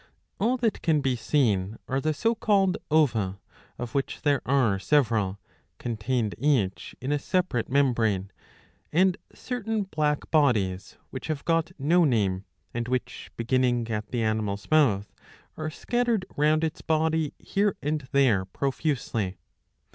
All that can be seen are the so called ova,^^ of which there are several, contained each in a separate membrane, and certain black bodies which have got no name, and which, beginning at the animal's mouth, are scattered round its body here and there profusely.